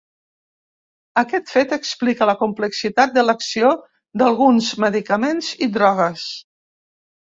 Aquest fet explica la complexitat de l'acció d'alguns medicaments i drogues.